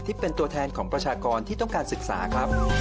ที่เป็นตัวแทนของประชากรที่ต้องการศึกษาครับ